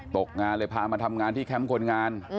ตกงานเลยพามาทำงานที่แคมป์คนงาน